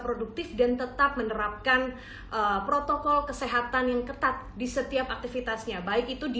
produktif dan tetap menerapkan protokol kesehatan yang ketat di setiap aktivitasnya baik itu di